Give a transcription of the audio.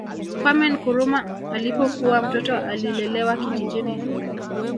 Kwame Nkrumah alipokuwa Mtoto alilelewa kijijini